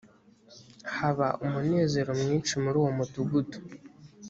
haba umunezero mwinshi muri uwo mudugudu